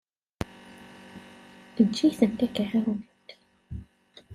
Eǧǧ-itent ak-ɛawnent.